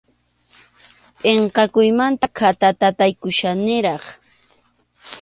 Pʼinqakuymanta khatatataykuchkaniraq.